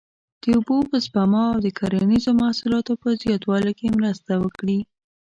د اوبو په سپما او د کرنیزو محصولاتو په زیاتوالي کې مرسته وکړي.